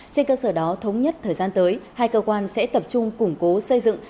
trên cơ sở đó thống nhất thời gian tới hai cơ quan sẽ tập trung củng cố xây dựng